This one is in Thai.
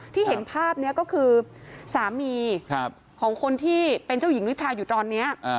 เห็นภาพนี้ก็คือสามีของคนที่เป็นเจ้าหญิงนิทาอยู่ตอนนี้